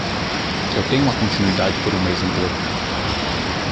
Eu tenho uma continuidade por um mês inteiro.